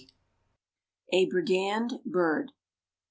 A BRIGAND BIRD.